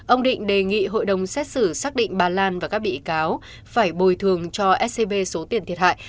ông định đề nghị hội đồng xét xử xác định bà lan và các bị cáo phải bồi thường cho scb số tiền thiệt hại